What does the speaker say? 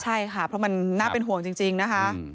ใช่ค่ะเพราะมันน่าเป็นห่วงจริงนะคะ